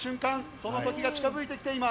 その時が近付いてきています。